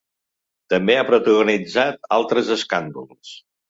També ha protagonitzat altres escàndols.